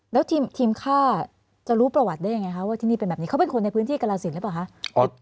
แล้วทีมฆ่าจะรู้ประวัติได้ยังไงคะว่าที่นี่เป็นแบบนี้เขาเป็นคนในพื้นที่กรสินหรือเปล่าคะ